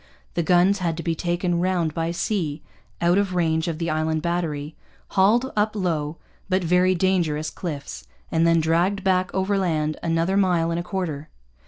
The guns had to be taken round by sea, out of range of the Island Battery, hauled up low but very dangerous cliffs, and then dragged back overland another mile and a quarter.